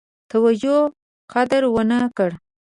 توجه قدر ونه کړه.